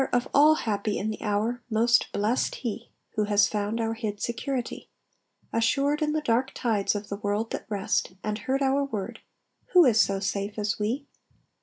of all happy in the hour, most blest He who has found our hid security, Assured in the dark tides of the world that rest, And heard our word, 'Who is so safe as we?'